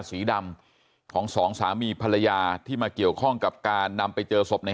สีดำของสองสามีภรรยาที่มาเกี่ยวข้องกับการนำไปเจอศพใน